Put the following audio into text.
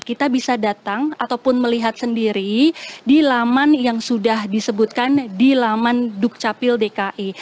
kita bisa datang ataupun melihat sendiri di laman yang sudah disebutkan di laman dukcapil dki